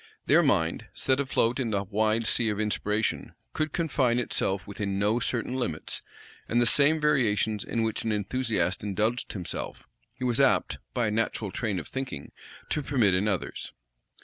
Their mind, set afloat in the wide sea of inspiration, could confine itself within no certain limits; and the same variations in which an enthusiast indulged himself, he was apt, by a natural train of thinking, to permit in others.